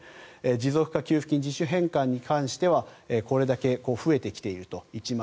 持続化給付金自主返還に関してはこれだけ増えてきていると。